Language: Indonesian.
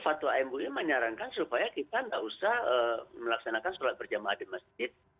fatwa mui menyarankan supaya kita tidak usah melaksanakan sholat berjamaah di masjid